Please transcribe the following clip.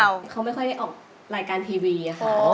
เขาไม่ค่อยได้ออกรายการทีวีค่ะ